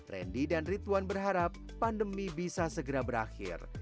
randy dan ridwan berharap pandemi bisa segera berakhir